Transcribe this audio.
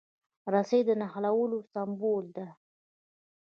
رسۍ د نښلولو سمبول ده.